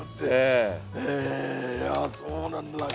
へえそうなんだ。